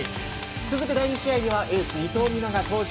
続く第２試合ではエース伊藤美誠が登場。